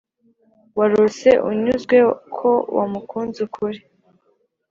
warose, unyuzwe ko wamukunze ukuri,